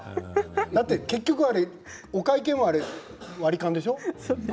だって結局お会計も割り勘でしょ？